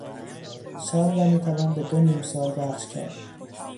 سال را میتوان به دو نیمسال بخش کرد.